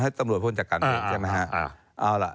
ให้ตำรวจพ้นจากการเองใช่มั้ยฮะ